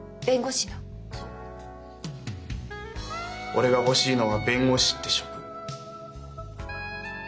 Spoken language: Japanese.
俺が欲しいのは弁護士って職。